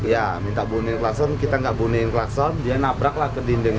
ya minta buniin klakson kita nggak buniin klakson dia nabraklah ke dinding itu